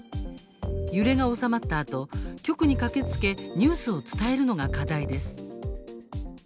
揺れが収まったあと局に駆けつけニュースを伝えるのが課題です。